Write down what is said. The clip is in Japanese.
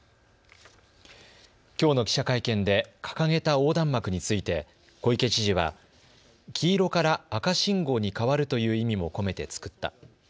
きょうの記者会見で掲げた横断幕について小池知事は黄色から赤信号に変わるという意味も込めて作った。